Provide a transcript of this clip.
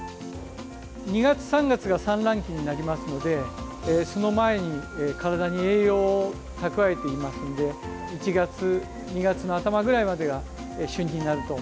２月、３月が産卵期になりますのでその前に体に栄養を蓄えていますので１月、２月の頭ぐらいまでが旬になると思います。